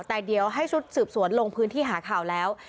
แต่เดี๋ยวให้ชุดสืบสวนลงพื้นที่หาข่าวแล้ว